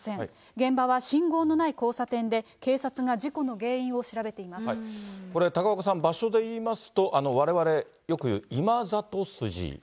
現場は信号のない交差点で、これ、高岡さん、場所でいいますと、われわれよく、いまざと筋。